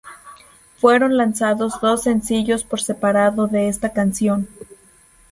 Fueron lanzados dos sencillos por separado de esta canción.